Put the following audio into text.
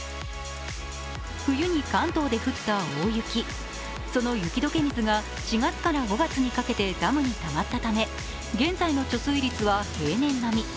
冬に関東で降った大雪、その雪解け水が４５月にかけてダムにたまったため、現在の貯水率は平年並み。